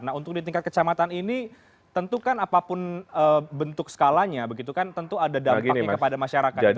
nah untuk di tingkat kecamatan ini tentu kan apapun bentuk skalanya begitu kan tentu ada dampaknya kepada masyarakat